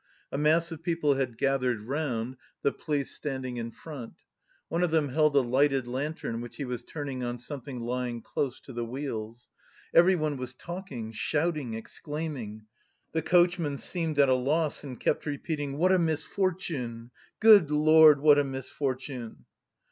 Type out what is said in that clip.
A mass of people had gathered round, the police standing in front. One of them held a lighted lantern which he was turning on something lying close to the wheels. Everyone was talking, shouting, exclaiming; the coachman seemed at a loss and kept repeating: "What a misfortune! Good Lord, what a misfortune!"